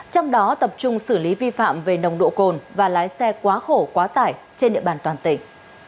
trong đó tập trung xử lý vi phạm về nồng độ cồn và lái xe quá khổ quá tải trên địa bàn toàn tỉnh